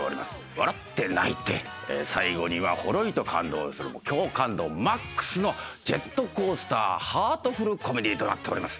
笑って泣いて最後にはほろりと感動する共感度マックスのジェットコースター・ハートフル・コメディとなっております。